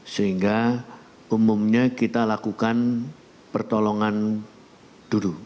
sehingga umumnya kita lakukan pertolongan dulu